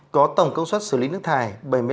có tổng công suất xử lý nước thải